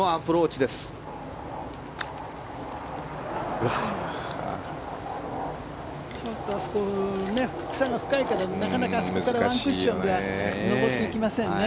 ちょっと、あそこ草が深いからなかなかあそこからワンクッションでは上っていきませんね。